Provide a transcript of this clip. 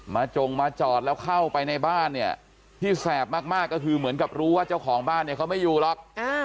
จงมาจอดแล้วเข้าไปในบ้านเนี่ยที่แสบมากก็คือเหมือนกับรู้ว่าเจ้าของบ้านเนี่ยเขาไม่อยู่หรอก